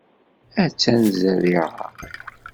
Attan zerriɛa.